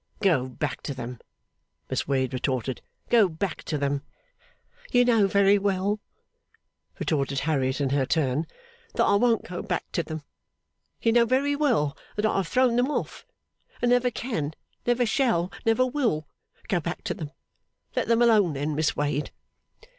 'Go back to them,' Miss Wade retorted. 'Go back to them.' 'You know very well,' retorted Harriet in her turn, 'that I won't go back to them. You know very well that I have thrown them off, and never can, never shall, never will, go back to them. Let them alone, then, Miss Wade.